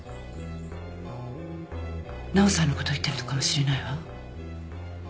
奈緒さんのことを言ってるのかもしれないわ。